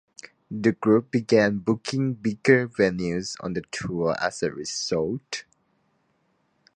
The group began booking bigger venues on the tour as a result.